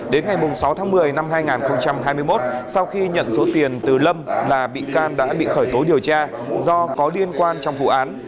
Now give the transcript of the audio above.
đến ngày sáu tháng một mươi năm hai nghìn hai mươi một sau khi nhận số tiền từ lâm là bị can đã bị khởi tố điều tra do có liên quan trong vụ án